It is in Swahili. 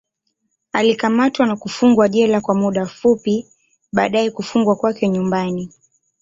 Alikamatwa na kufungwa jela kwa muda fupi, baadaye kufungwa kwake nyumbani.